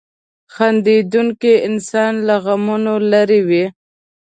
• خندېدونکی انسان له غمونو لرې وي.